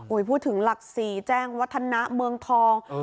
พูดถึงหลัก๔แจ้งวัฒนะเมืองทอง